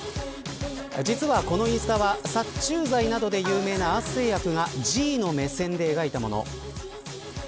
実は、このインスタは殺虫剤で有名なアース製薬がＧの目線で描いたもの。